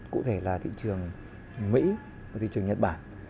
cụ thể là thị trường mỹ và thị trường nhật bản